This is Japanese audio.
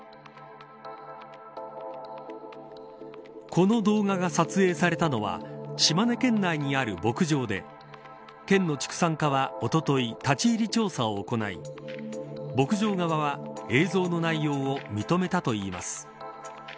この動画が撮影されたのは島根県内にある牧場で県の畜産課はおととい立ち入り調査を行い牧場側は、映像の内容を認めたといいます。